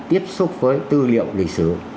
tiếp xúc với tư liệu lịch sử